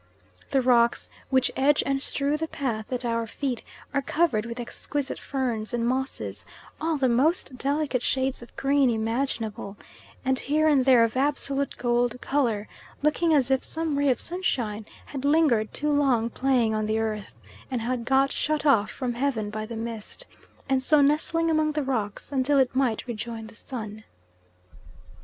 The rocks which edge and strew the path at our feet are covered with exquisite ferns and mosses all the most delicate shades of green imaginable, and here and there of absolute gold colour, looking as if some ray of sunshine had lingered too long playing on the earth, and had got shut off from heaven by the mist, and so lay nestling among the rocks until it might rejoin the sun.